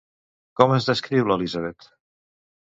Com es descriu l'Élisabeth?